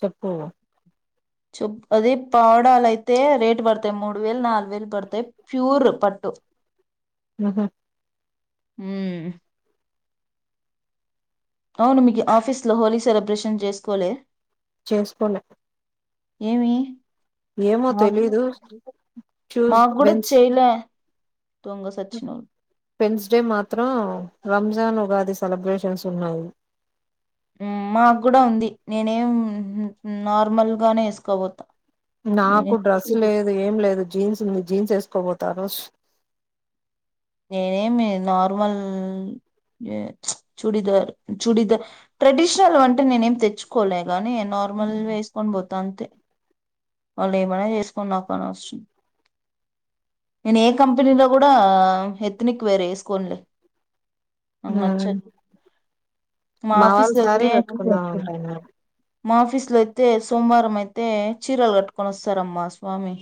చెప్పూ చొప్ అది పావడాలైతే రేటు పడతాయి మూడు వేలు నాలుగు వేలు పడతాయి ప్యూర్ పట్టు ఊహు హ్మ్ అవును మీకి ఆఫీస్లో హోలీ సెలబ్రేషన్ చేసుకోలే చేసుకోలే ఏమి ఏమో మాకు తెలీదు మా కూడా చేయలే దొంగ సచ్చినోళ్ళు పెన్స్డే మాత్రం రంజాన్ ఉగాది సెలబ్రేషన్స్ ఉన్నాయి హ్మ్ మాగ్గుడా ఉంది నేనేం నార్మల్ గానే ఏసుకోబోతా నాకు డ్రెస్ లేదు ఏం లేదు జీన్స్ ఉంది జీన్స్ ఏస్కబోతారోస్ నేనేమి నార్మల్ చూడిదార్ చూడిదార్ ట్రెడిషనల్ అంటే నేనేమి తెచ్చుకోలే గాని నార్మల్ వేస్కొ నిబోతా తంతే వాళ్ళు ఏమైనా చేసుకొని నాకు అనవసరం నేను ఏ కంపెనీలో కూడా హెత్నిక్ వేర్ ఏస్కోన్లే అ ఉమ్ మచ్చద్ మా వాళ్ళు సారీ కట్టుకుందాం అంటాన్నారు మా ఆఫీస్ లో అయితే సోమవారం అయితే చీరలు కట్టుకొని వస్తారమ్మా స్వామి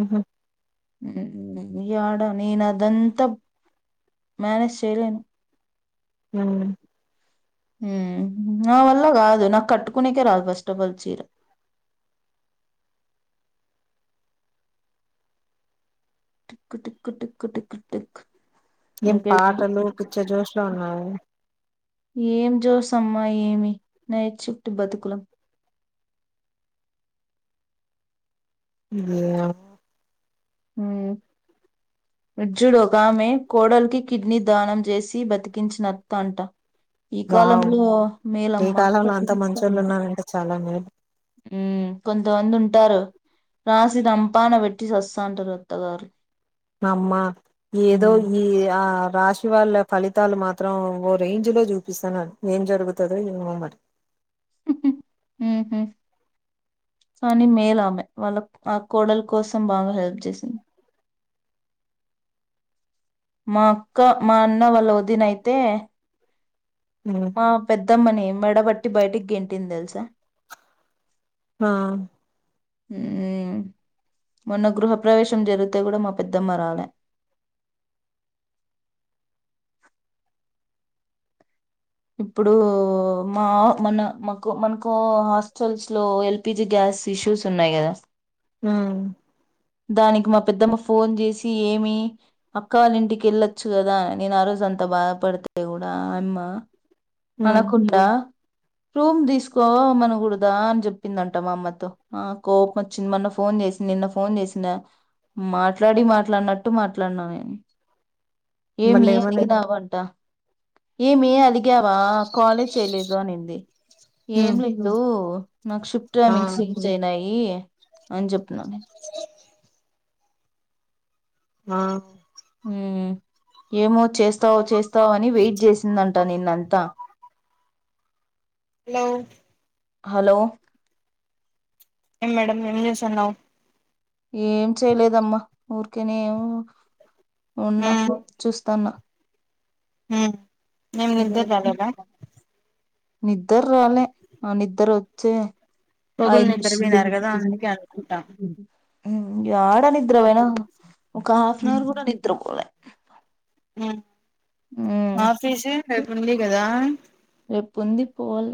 ఉహు ఏడా నేనదంతా మేనేజ్ చేయలేను హ్మ్ హ్మ్ నా వల్ల కాదు నాకు కట్టుకునేకే రాదు ఫస్ట్ ఆఫల్ చీర tick tick tick tick tick ఏం ఇంకేమి పాటలు పిచ్చజోష్లో ఉన్నావే ఏం జోస్ అమ్మా ఏమి నైట్ షిఫ్ట్ బతుకులం గేయ ఊ ఇటుజూడు ఒక ఆమె కోడలికి కిడ్నీ దానం చేసి బతికించిన అత్త అంట ఈ వావ్ కాలంలో ఈ మేలమ్మ కాలంలో అంత మంచోళ్ళు ఉన్నారంటే చాలా మేలు ఉ కొంతమంది ఉంటారు రాసి రంపాన వెట్టి సస్తాంటరు అత్తగారు అమ్మ ఏదో ఉమ్. ఈ ఆ రాశి వాళ్ళ ఫలితాలు మాత్రం ఓ రేంజ్ లో చూపిస్తున్నారు ఏం జరుగుతదో ఏ మరి కాని మేలా ఆమె వాళ్ళ ఆ కోడలు కోసం బాగా హెల్ప్ చేసింది మా అక్క మా అన్న వాళ్ల వదినైతే ఉమ్ మా పెద్దమ్మనే ఏమ్ మెడబట్టి బయటికి గెంటింది తెలుసా ఆ మొన్న గృహపవేశం జరిగితే కూడా మా పెద్దమ్మ రాలే ఇప్పుడు మా మన మాకు మనకు హాస్టల్స్ లో ఎల్పిజి గ్యాస్ ఇష్యూస్ ఉన్నాయి గదా హ దానికి మా పెద్దమ్మ ఫోన్ చేసి ఏమి అక్క వాళ్ళ ఇంటికి వెళ్ళొచ్చు కదా నేను ఆ రోజు అంత బాధపడితే కూడా అయమ్మ ఉమ్ అనకుండా రూమ్ తీసుకో మనకూడదా అని చెప్పిందంట మా అమ్మతో ఆ కోపం వచ్చింది. మొన్న ఫోన్ చేసి నిన్న ఫోన్ చేసి డ మాట్లాడి మాట్లాడినట్టు మాట్లాన్న నేను ఏమి మళ్ళీ ఏమని అలిగినావంట ఏ మీయర్ అలిగవా కాల్ లిఫ్ చేయలేదు అనింది ఏం ఉమ్ లేదు నాకు షిఫ్ట్ ఆ టైంమింగ్స్ చేంజ్ అయినాయి అని జొప్పిన ఆ ఏమో చేస్తావో చేస్ స్తావొ అని వెయిట్ చేసిందంట నిన్న అంతా హలో హలో ఏం మేడమ్ ఏంజేస్తన్నవ్ ఏం చేయలేదమ్మా ఊరికేనే ఉన్న ఫోన్ చూస్తాన్న హ ఏమ్ నద్దర్రాలేద నిద్దర్ రాలే ఆ నిద్దర వచ్చే పొగులు ఐదు నిద్దరబోయినారు కదా అందుకే అనుకుంటా ఊ యాడ నిద్రపోయినా ఒక హాఫ్ అన్ అవర్ కూడా నిద్రపోలే ఆ మ్ ఆఫీస్ రేపు ఉంది కదా రేపు ఉంది పోవాల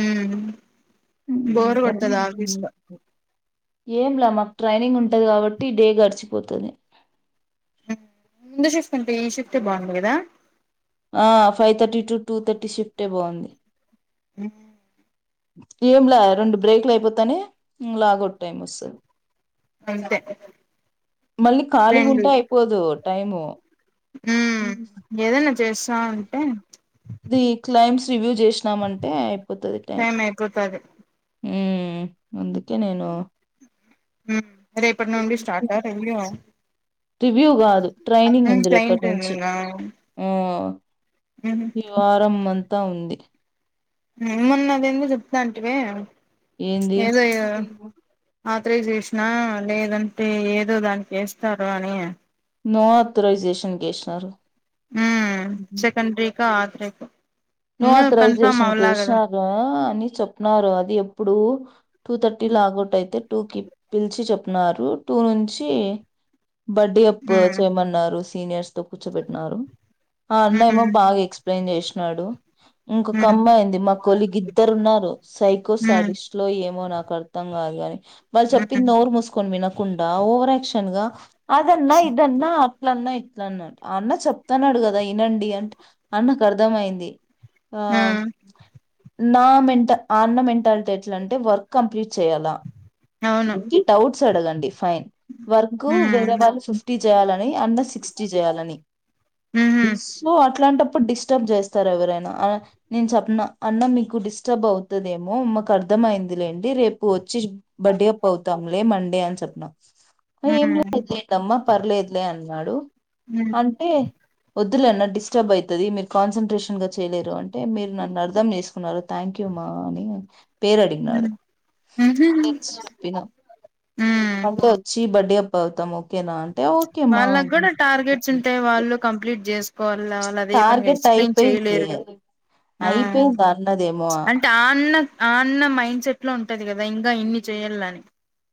ఉమ్ బోరు కొడతది ఆఫీస్ ఉమ్ లో ఏం లా మాకు ట్రైనింగ్ ఉంటది కాబట్టి డే గడిచిపోతుంది ముందు షిఫ్ట్ అంటే ఈ షిఫ్ట్ బాగుంది కదా ఆ five thirty to two thirty shift బాగుంది ఉమ్ ఏం లా రెండు బ్రేక్లు అయిపోతానే లాగౌట్ టైం వస్తుంది అంతే మళ్ళీ ఖాళీగా ఉంటే రెండు అయిపోదు టైము ఉమ్ ఏదైనా చేస్తా అంటే సివిల్ చేసినామంటే అయిపోతుంది టైం అయిపోతది ఉమ్ అందుకే నేను హ రేపటి నుండి స్టార్ట ఆ రివ్యూ రివ్యూ కాదు ట్రైనింగ్ ఉంది క్లైంట్ రేపటి నుంచి ట్రైనింగా ఆ ఉహు ఈ వారం మంత తా ఉంది మొన్న అది ఏందో చెప్టాంటివే ఏంది పాత్రే చేసినా లేదంటే ఏదో దానికి వస్తారు అని నో అథరైజేషన్ చేసినారు ఉమ్ చెకండ్రి ఇంకా ఆత్రేకు నో అథరైజేషన్ కేసిన అని చెప్నారు అది ఎప్పుడు టూ థర్టీ లాగౌట్ అయితే టూ కి పిలిచి చెప్నరు టూ నుంచి బడ్డీ అప్పు ఉమ్ చేయమన్నారు సీనియర్స్ తో కూర్చోబెట్టినారు ఆ అన్న ఉమ్ ఏమో బాగా ఎక్స్ప్లెయిన్ చేసాం నాడు ఇంకొక ఉమ్ అమ్మయింది మా కొలిగి ఇద్దరు ఉన్నారు ఉమ్ సైకోసాడిస్ట్ లో ఏమో నాకు కర్థం కాదు గాని వల్ చప్పింద్ ఉమ్ నోరు ముస్కొనీ విను కుండా ఓవర్క్షన్ గా అదన్నా ఇదన్నా అట్ల అన్నా ఇట్ల అన్నా ఆ అన్న చెప్తున్నాడు కదా ఈనండి అంటే ఆ అన్నకు అర్థమయింది ఆ ఉమ్ నా మెంట ఆ అన్న మెంటాలిటీ ఎట్లా అంటే వర్క్ కంప్లీట్ చేయ్యాలా అవును ఇ డౌట్ చెడగండి ఫైన్ వర్క్ వేరే ఉమ్ వాళ్ళ షిఫ్ట్ చాల అండర్ సిక్సిటీ చేయాలని ఉహు సో అట్లాంటప్ అప్పుడు డిస్టర్బ్ చేస్తారు ఎవరైనా నేను చెప్పన అన్న మీకు డిస్టర్బ్ అవుతుదేమో మాకు అర్థమయింది లేండి రేపు వచ్చి బర్డే అప్పు అవుతాంలే మండే అని చెప్పిన్నా ఏం ఉమ్ లేదులేంటమ్మా పర్లేదులే అం వాడు ఉమ్ అంటే ఒ అన్న డిస్టర్బ్ అయితది మీరు కాన్సన్ంట్రేషన్ చేయలేరు అంటే మీరు నన్ను అర్థం చేసుకున్నారు థ్యాంక్ యూ మా అని పేరడిగినాడు ఉమ్ ఉహు చెప్పిన ఉమ్ అంటే వచ్చి బర్డే అప్ పౌతము వాళ్ళకి కూడా టార్గెట్స్ ఉంటాయి వాళ్ళు కంప్లీట్ చేస్ ళ వాళ్ళ అదే పనుగా టార్గెట్ ఎక్స్ప్లెయిన్ అయిపోయింది చేయలేరుగా ఆ అయిపోయింది అన్నదేమో అంటే ఆ అన్న అ అన్న మైండ్ సెట్ లో ఉంటది కదా ఇంకా ఇన్ని చేయాలని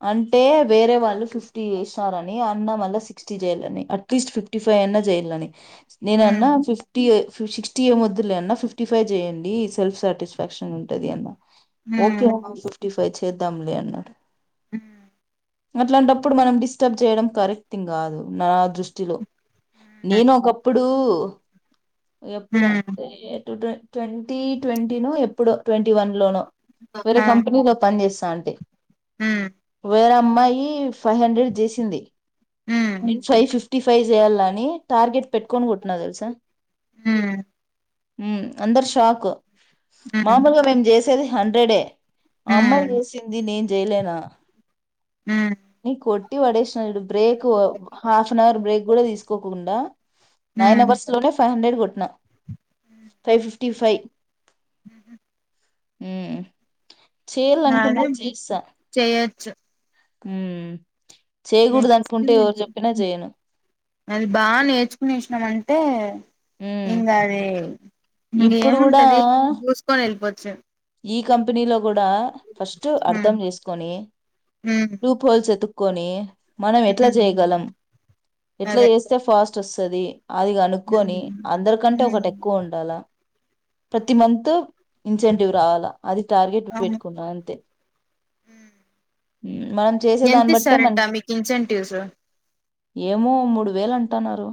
అంటే వేరే వాళ్ళు ఫిఫ్టీ చేసినారని అన్న మళ్ళ సిక్స్టీ చేయాలని అట్లీస్ట్ ఫిఫ్టీ ఫైవ్ అన్నా చేయ్యిల్లని నేను అన్నా ఉమ్ ఫిఫ్టీ సిక్స్టీ ఏ మొద్దులే అన్న ఫిఫ్టీ ఫైవ్ చేయండి సెల్ఫ్ సాటిస్ఫాక్షన్ ఉంటది అన్న ఓకే ఉమ్ అమ్మ ఫీఫ్టి ఫైవ్ చే చేద్దం లే అన్నడు ఉమ్ అట్లాంటప్పుడు మనం డిస్టర్బ్ చేయడం కరెక్ట్ థింగ్ కాదు నా దృష్టిలో నేను ఒకప్పుడు పో ఎప్పుడు అం ఉమ్ టే ఏటు ట్ ట్వంటీ ట్వంటీ ను ఎప్పుడో ట్వంటీ వన్ లోను వేరే కంపెనీలో పని చేస్తా న్ టి మ్మ్ వేరే అమ్మాయి ఫైవ్ హండ్రెడ్ జేసింది ఉమ్ నేను ఫై ఫిఫ్ ఫిఫ్టీ ఫైవ్ చేయాల అని టార్గెట్ పెట్టుకోని కొట్టిన తెలుసా హు మ్ అందరు షాక్ ఉమ్ మామూలుగా మేం జేస్ ఇది హండ్రెడే అమ్మల్ ఉమ్ చేసింది నేన్ చెయలేనా మ్ నే కొట్టి వడేష్నా చూడు break half an hour break కూడా తీస్ కోకుండా నైన్ ఉమ్ అవర్స్ లో నే ఫైవ్ హండ్రడ్ కొట్ న ఫై ఫిఫ్ ఫిఫ్టీ ఫై హు హ్మ్ మ్మ్ చేయాల అదే అనుకుంటె చేస్తా చేయొచ్చు మ్మ్మ్ అది బా నేర్చుకునేసినాం అన్ టే ఉమ్ ఇంగా అది ఇంగ ఇప్పుడు కూడా ఏముంటది దూసుకొని వెళ్ళిపోత్ చ్చా ఈ కంపెనీలో కూడా ఫస్ట్ అర్థం హ్మ్ చేసుకొని హ్మ్ లూప్ హోల్స్ ఎతు కొనీ మనం ఎట్లా హ్మ్ చేయగలం ఎట్లా అదే చేస్తే ఫాస్ తోస్తాది అది కనుక్కొని హ్మ్ అందరికంటే హ్మ్ ఒకటి ఎక్కువ ఉండాల ప్రతి మంత్ ఇంజన్ యూరాల అది టార్గెట్ అవును పెట్టుకున్నా అంతే ఉమ్, మనం చేసే ఎంత దాన్ని బట్టే ఇస్తారంట మనకి మీకు ఇన్సెంటివ్స్ ఏమో మూడు వేలు అంటున్నారు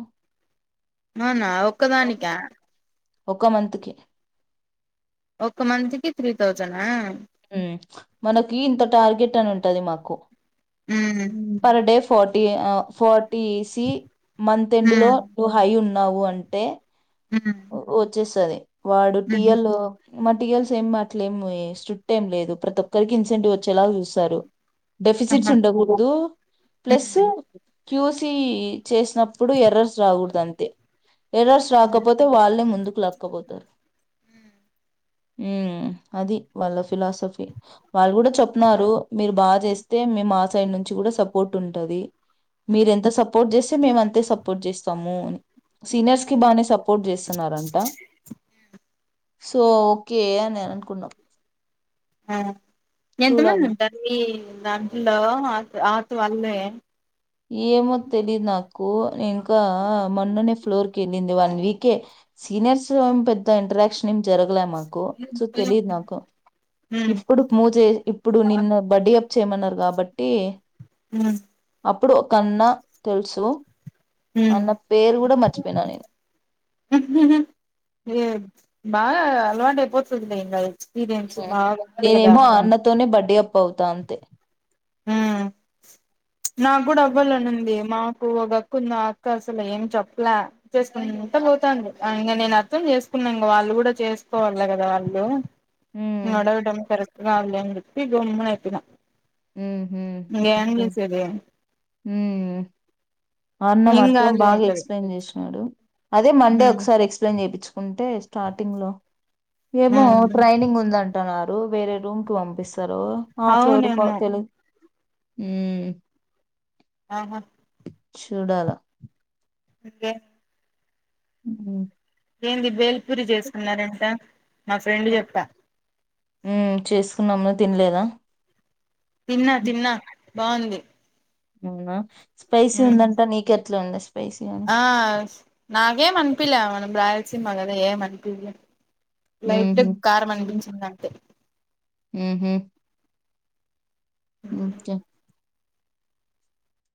అవునా ఆ ఒక్కదానికా ఒక మంత్ కి ఒక మంత్ కి త్రీ తౌసున్ ఆ మ్ మనకి ఇంత టార్గెట్ అని ఉంటది మాకు హ్మ్ మ్మ్ per day forty ఫార్ర్టీసి month end లో హ్మ్ నువ్వు హై ఉన్నా న్నావు అంటే హ్మ్ వచ్చేసి తది వాడు టి హ్మ్ ఎల్ మ టియల్స్ ఏం అట్లే ఏమి స్ట్రిక్ట్ ఏం లేదు ప్రతి ఒక్కరికి ఇన్సెంటివ్ వచ్చేలా చూస్తారు. డెఫిసీడ్స్ ఆహా ఉండకూడదు హ్మ్ ప్లస్ క్యూసీ చేసినప్పుడు ఎర్రర్స్ రాకూడదు అంతే. ఎర్రర్స్ హ్మ్ రాకపో వాళ్ళే ముందుకు లక్కపోతారు ఉ అది వాళ్ళ ఫిలాసఫీ వాళ్ళు కూడా చెప్న్నారు మీరు బాగా చేస్తే మేము ఆ సైడ్ నుంచి చి కూడా సపోర్ట్ ఉంటది మీర ఎంత సపోర్ట్ చేస్త మేము అంతే సపోర్ట్ చేస్తాము సీనియర్స్ కి బానే సపో పొట్ చేస్తున్నారంట. సో ఓకే అని నేను అనుకున్నాం. ఆ ఎంత మంది చూడాలి ఉంటారు మీ దాంట్లో ఆత్ వళ్ల్ ఏమో తెలిదు నాకు ఇంకా మొన్ననే ఫ్లోర్ కి వెళ్ళింది. వన్ వీకే సీనియర్స్ లో పెద్ద ఇంటరాక్షన్ జరగలే మాకు సో తెలిదు నాకు. హ్మ్ ఇప్పుడు మూ చే ఇప్పుడు నిన్ను బడ్డీ అప్ చేయమన్నా. కాబట్టి. ఉమ్. అప్పుడు ఒకన్న తెలుసు. హ్మ్ అన్న పేరు కూడా మర్చిపోయిన నేను. బాగ అలవాటైపోతుంది ఇంగ. ఎక్స్పీరియన్స్ బాగా ఉంది కదా నేనేమో అన్నతోనే బడ్డీఅప్. పోతా అంతే. హు నాకు కూడా అవ్వాలని ఉంది మా. కు ఒక అక్కుంది ఆ అక్క అసలు ఏం చెప్పలే. చేసుకుంటా పోతంది. ఇంగ నేను అర్థం చేసుకున్నా. ఇంగ వాళ్ళు కూడా చేసుకోవాలి కదా వాళ్ళు. ఉమ్ నువ్వు అడగడం కరెక్ట్. కావలనిచెప్పి గొమ్మునయితున ఇంగేం ఉహు చేసేది ఉమ్ అన్న ఏం మాత్రం కాదులే బాగా అంటది ఎక్స్ప్లెయిన్ చేసినాడు అదే మండే ఉమ్ ఒకసారి ఎక్స్ప్లెయిన్ చేపిచుకుంటే స్టార్టింగ్ లో ఏమో ఉమ్ ట్రైనింగ్ ఉందం న్నారు వేరే రూమ్ క్ పంపిస్ సారు ఆ ఫ్లోరుకొ అవునేమో తెలుగ్ ఊమ్ ఆహా చూడాల ఓకే ఉహు ఏంది బేల్ గురి చేసుకున్నారన్ నా ఫ్రెండ్ చెప్పా ఉ చేసుకున్నాము తిన్ లేదా తిన్నా తిన్నా బాగుంది అవునా స్పైసీ ఉమ్ ఉందంటా నీకెట్లా ఉంది స్పైసీ అని ఆ నాకేం అనిపిలే రా సినిమ కద ఏ అనిపి లైట్ ఉహు కారం అనిపించింది అంతే ఉహు ఒకే